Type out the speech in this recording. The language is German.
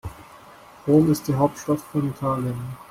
Rom ist die Hauptstadt von Italien.